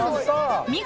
［見事］